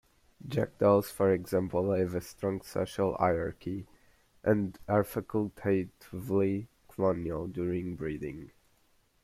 Jackdaws, for example, have a strong social hierarchy, and are facultatively colonial during breeding.